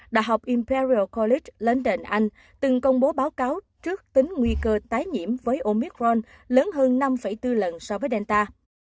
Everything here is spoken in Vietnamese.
đại học imperial college london anh từng công bố báo cáo trước tính nguy cơ tái nhiễm với omicron lớn hơn năm bốn lần so với delta